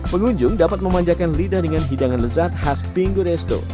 pengunjung dapat memanjakan lidah dengan hidangan lezat khas pinguresto